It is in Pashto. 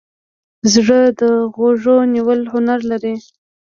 زړه د غوږ نیولو هنر لري.